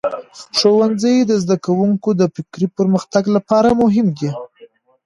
ښوونځی د زده کوونکو د فکري پرمختګ لپاره مهم دی.